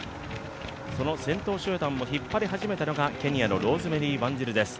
その先頭集団を引っ張り始めたのがケニアのローズメリー・ワンジルです。